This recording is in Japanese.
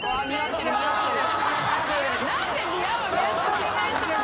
お願いします。